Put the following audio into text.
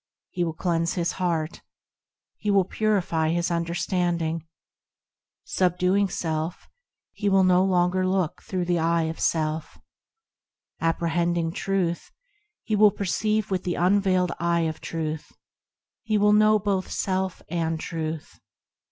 He will cleanse his heart ; He will purify his understanding ; Subduing self, he will no longer look through the eye of self; Apprehending Truth, he will perceive with the unveiled eye of Truth ; He will know both self and Truth.